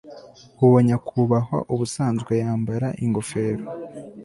Uwo nyakubahwa ubusanzwe yambara ingofero